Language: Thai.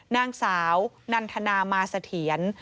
นางสาวนันทนามาเสถียร